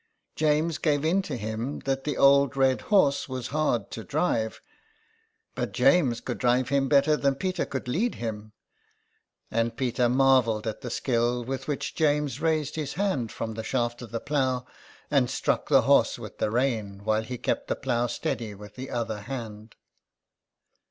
James gave in to him that the old red horse was hard to drive, but James could drive him better than Peter could lead him ; and Peter 133 THE EXILE. marvelled at the skill with which James raised his hand from the shaft of the plough and struck the horse with the rein whilst he kept the plough steady with the other hand.